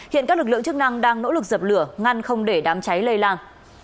hiện các lực lượng chức năng đang nỗ lực dập lửa ngăn không để đám cháy lây lan